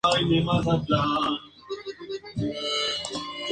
Los restantes tres sencillamente no se llevaron a cabo.